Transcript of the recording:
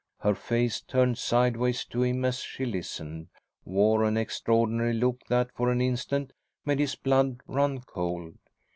Her face, turned sideways to him as she listened, wore an extraordinary look that for an instant made his blood run cold.